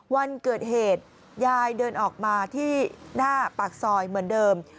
วันเกิดเหตุยายเดินออกมาที่หน้าปากซอยเหมือนเดิม